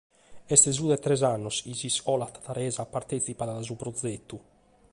Est su de tres annos chi s’iscola tataresa partètzipat a su progetu.